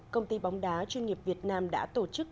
công ty bóng đá chuyên nghiệp việt nam đã tổ chức